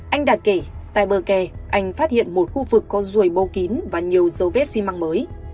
anh đạt kể tại bờ kè anh phát hiện một khu vực có ruồi bô kín và nhiều dấu vết xi măng mới